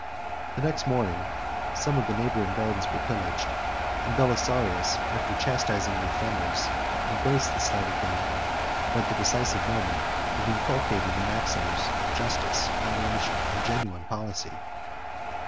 The next morning, some of the neighboring gardens were pillaged; and Belisarius, after chastising the offenders, embraced the slight occasion, but the decisive moment, of inculcating the maxims of justice, moderation, and genuine policy.